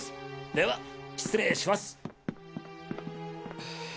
では失礼します。